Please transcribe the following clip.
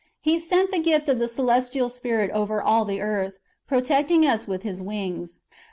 He sent the gift of the celestial Spirit over all the earth, protecting us with His wings.